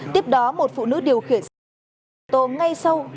tiếp đó một phụ nữ điều khiển xe ô tô ngay sau